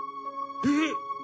えっ！